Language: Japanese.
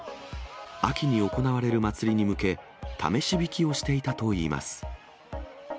秋に行われる祭りに向け、試しびきをしてしていたといいます。